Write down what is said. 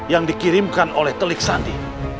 yang dikirimkan oleh telik sandi